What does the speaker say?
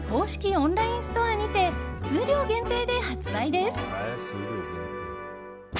オンラインストアにて数量限定で発売です。